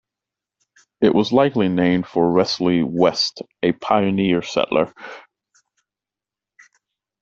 It was likely named for Wesley West, a pioneer settler.